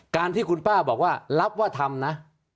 การที่คุณป้าบอกว่ารับว่าทำนะ